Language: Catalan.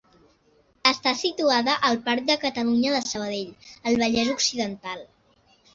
Està situada al parc de Catalunya de Sabadell, al Vallès Occidental.